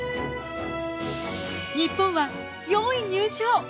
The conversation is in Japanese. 日本は４位入賞。